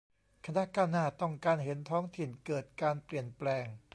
คณะก้าวหน้า ต้องการเห็นท้องถิ่นเกิดการเปลี่ยนแปลง